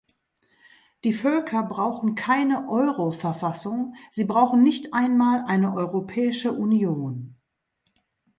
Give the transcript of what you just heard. Die Völker brauchen keine "Euro-Verfassung", sie brauchen nicht einmal eine Europäische Union.